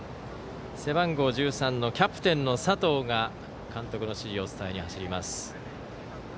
背番号１３のキャプテンの佐藤が監督の指示を伝えに走ります。